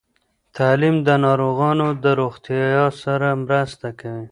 تعلیم د ناروغانو د روغتیا سره مرسته کوي.